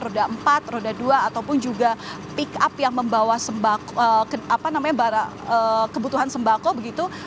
roda empat roda dua ataupun juga pick up yang membawa kebutuhan sembako begitu